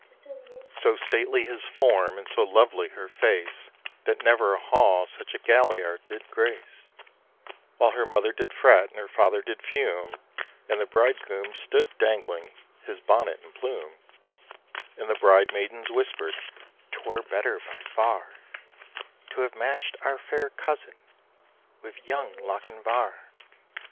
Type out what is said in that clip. So stately his form and so lovely her face, That never a hall such a galliard did grace; While her mother did fret, and her father did fume, And the bridegroom stood dangling his bonnet and plume; And the bride maidens whispered, ' 'Twere better by far, To have match'd our fair cousin with young Lochinvar